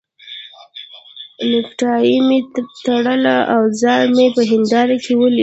نېکټایي مې تړله او ځان مې په هنداره کې ولید.